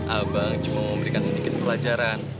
abang cuma memberikan sedikit pelajaran